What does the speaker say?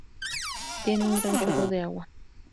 Tiene un gran chorro de agua.